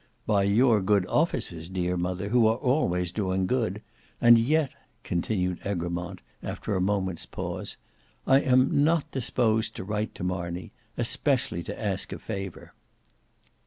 "By your good offices, dear mother, who are always doing good: and yet," continued Egremont, after a moment's pause, "I am not disposed to write to Marney, especially to ask a favour."